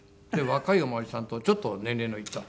若いお巡りさんとちょっと年齢のいった。